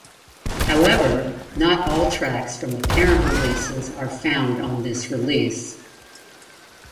However, not all tracks from the parent releases are found on this release.